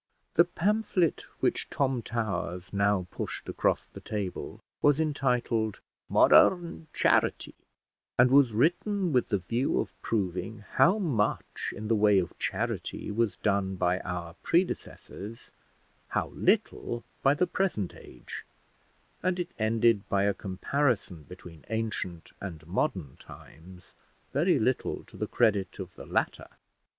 The pamphlet which Tom Towers now pushed across the table was entitled "Modern Charity," and was written with the view of proving how much in the way of charity was done by our predecessors, how little by the present age; and it ended by a comparison between ancient and modern times, very little to the credit of the latter.